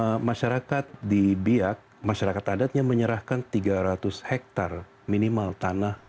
karena masyarakat di biak masyarakat adatnya menyerahkan tiga ratus hektare minimal tanah